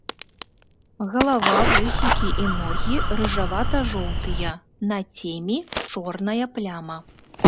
Галава, вусікі і ногі рыжавата-жоўтыя, на цемі чорная пляма.